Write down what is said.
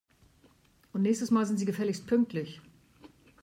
Und nächstes Mal sind Sie gefälligst pünktlich!